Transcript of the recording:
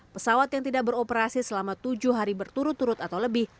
pesawat yang tidak beroperasi selama tujuh hari berturut turut atau lebih